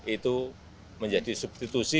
itu menjadi substitusi